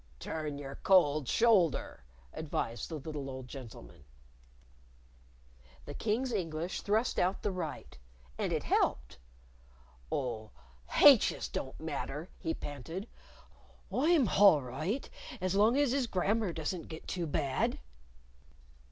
"Turn your cold shoulder," advised the little old gentleman. The King's English thrust out the right. And it helped! "Oh, hayches don't matter," he panted. "I'm hall right has long has 'is grammar doesn't get too bad."